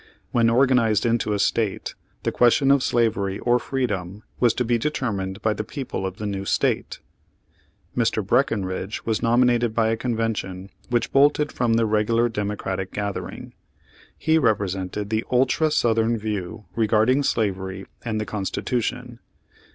When organized into a State the question of slavery or freedom was to be determined by the people of the new State. Mr. Breckenridge was nominated by a convention which bolted from the regular Democratic gathering. He represented the ultra southern view regarding slavery and the Constitution.